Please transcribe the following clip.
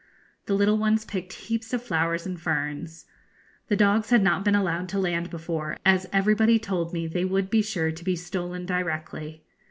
The little ones picked heaps of flowers and ferns. The dogs had not been allowed to land before, as everybody told me they would be sure to be stolen directly.